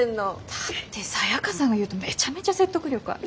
だってサヤカさんが言うとめちゃめちゃ説得力あるし。